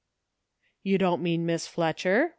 "You don't mean Miss Fletcher